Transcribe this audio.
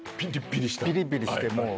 ピリピリしてもう。